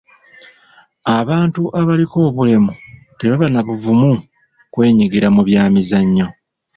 Abantu abaliko obulemu tebaba na buvumu kwenyigira mu byamizannyo.